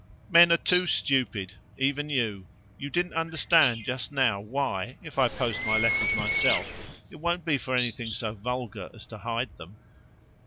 "Men are too stupid even you. You didn't understand just now why, if I post my letters myself, it won't be for anything so vulgar as to hide them."